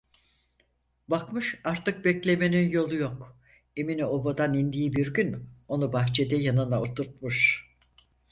Bakmış artık beklemenin yolu yok, Emine obadan indiği bir gün onu bahçede yanına oturtmuş…